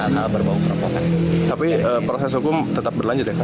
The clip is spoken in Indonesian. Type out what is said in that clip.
tapi proses hukum tetap berlanjut ya kawan